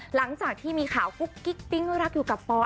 หลังจากที่มีข่าวกุ๊กกิ๊กปิ๊งรักอยู่กับปอ